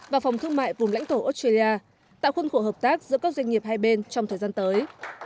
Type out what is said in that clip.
và phòng thương mại vùng lãnh thổ australia tạo khuôn khổ hợp tác giữa các doanh nghiệp hai bên trong thời gian tới